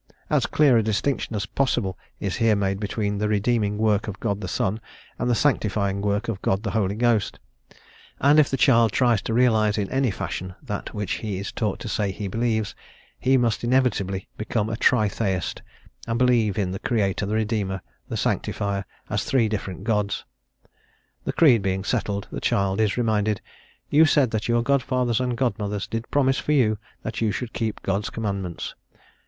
As clear a distinction as possible is here made between the redeeming work of God the Son and the sanctifying work of God the Holy Ghost, and if the child tries to realise in any fashion that which he is taught to say he believes, he must inevitably become a Tri theist and believe in the creator, the redeemer, the sanctifier, as three different gods. The creed being settled, the child is reminded: "You said that your godfathers and godmothers did promise for you that you should keep God's commandments.